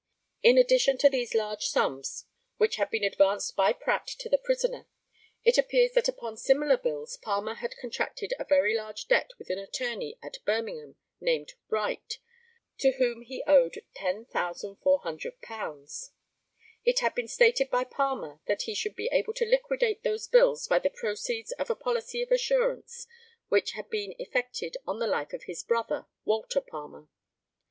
In addition to these large sums, which had been advanced by Pratt to the prisoner, it appears that upon similar bills Palmer had contracted a very large debt with an attorney at Birmingham, named Wright, to whom he owed £10,400. It had been stated by Palmer that he should be able to liquidate those bills by the proceeds of a policy of assurance which had been effected on the life of his brother, Walter Palmer.